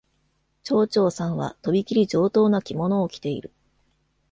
チョーチョーさんはとびきり上等な着物を着ている。